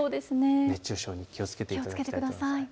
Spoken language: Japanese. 熱中症に気をつけていただきたいと思います。